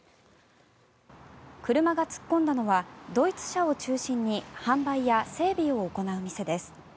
車が突っ込んだのはドイツ車を中心に販売や整備を行う店です。